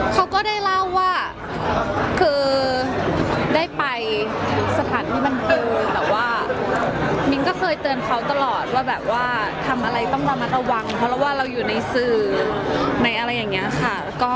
เขาก็ได้เล่าว่าคือได้ไปสถานที่บันเทิงแต่ว่ามิ้นก็เคยเตือนเขาตลอดว่าแบบว่าทำอะไรต้องระมัดระวังเพราะว่าเราอยู่ในสื่อในอะไรอย่างนี้ค่ะ